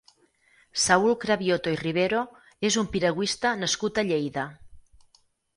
Saúl Craviotto i Rivero és un piragüista nascut a Lleida.